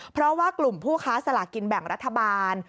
เพราะว่ากลุ่มผู้ค้าสลากกินแบ่งรัฐบาล